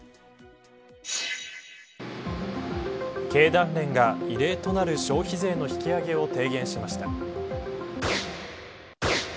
経団連が異例となる消費税の引き上げを提言しました。